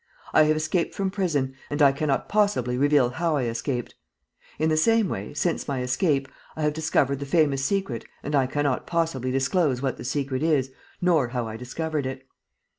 "I have escaped from prison and I cannot possibly reveal how I escaped. In the same way, since my escape, I have discovered the famous secret and I cannot possibly disclose what the secret is nor how I discovered it.